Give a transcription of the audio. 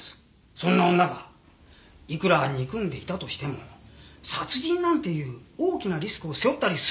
そんな女がいくら憎んでいたとしても殺人なんていう大きなリスクを背負ったりするでしょうか？